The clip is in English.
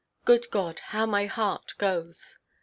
"Good God, how my heart goes!